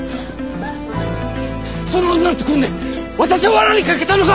その女と組んで私を罠にかけたのか！？